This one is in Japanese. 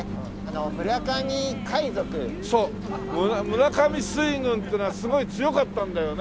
村上水軍っていうのはすごい強かったんだよね。